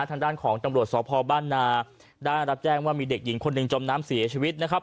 ทางด้านของตำรวจสพบ้านนาได้รับแจ้งว่ามีเด็กหญิงคนหนึ่งจมน้ำเสียชีวิตนะครับ